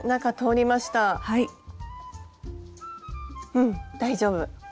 うん大丈夫。